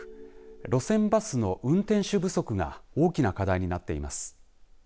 路線バスの運転手不足が大きな課題になっています。